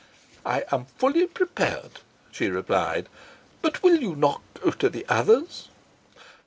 "I am fully prepared," she replied; "but will you not go to the others?"